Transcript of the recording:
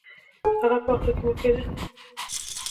هغه به په اخر کې مړ کېده.